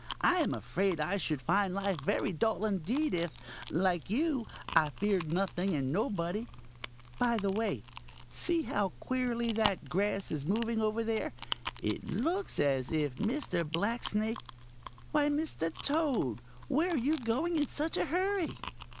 I am afraid I should find life very dull indeed if, like you, I feared nothing and nobody. By the way, see how queerly that grass is moving over there. It looks as if Mr. Blacksnake—Why, Mr. Toad, where are you going in such a hurry?"